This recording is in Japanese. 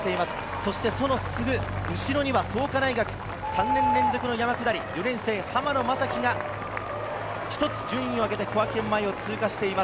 そして、そのすぐ後ろには創価大学、３年連続の山下り４年生・濱野将基が１つ順位を上げて、小涌園前を通過しています。